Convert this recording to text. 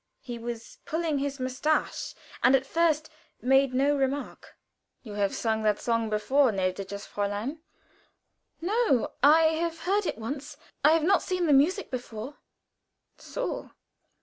He was pulling his mustache and at first made no remark. "You have sung that song before, gnädiges Fräulein?" "No. I have heard it once. I have not seen the music before." "So!"